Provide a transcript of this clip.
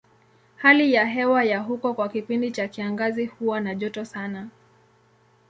Hali ya hewa ya huko kwa kipindi cha kiangazi huwa na joto sana.